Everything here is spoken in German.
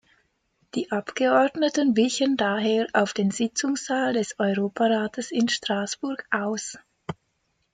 Die Abgeordneten wichen daher auf den Sitzungssaal des Europarates in Straßburg aus.